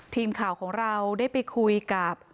ทีมข่าวของเราได้ไปคุยกับ